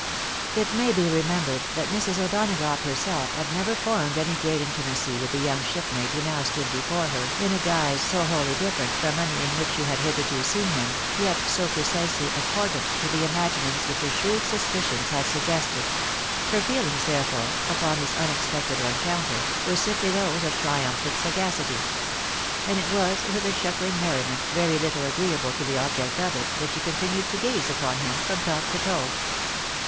It may be remembered that Mrs. O'Donagough herself had never formed any great intimacy with the young shipmate who now stood before her in a guise so wholly different from any in which she had hitherto seen him, yet so precisely accordant to the imaginings which her shrewd suspicious had suggested ; her feelings, therefore, upon this unexpected rencounter, were simply those of triumphant sagacity: and it was with a chuck ling merriment, very httle agreeable to the object of it, that she continued to gaze upon him from top to toe.